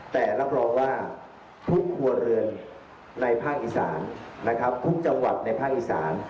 แล้วแสดงว่าทุกครัวเรือนทุกจังหวัดในผ้างอีสาน